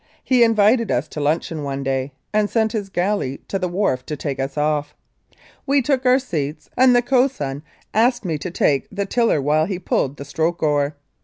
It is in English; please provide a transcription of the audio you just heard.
He invited us to luncheon one day, and sent his galley to the wharf to take us off. We took our seats, and the cox swain asked me to take the tiller while he pulled the stroke oar.